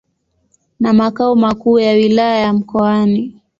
na makao makuu ya Wilaya ya Mkoani.